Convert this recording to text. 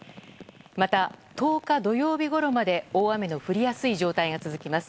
また、１０日土曜日ごろまで大雨の降りやすい状態が続きます。